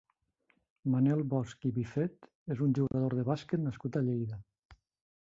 Manel Bosch i Bifet és un jugador de bàsquet nascut a Lleida.